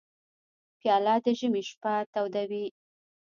پیاله د ژمي شپه تودوي.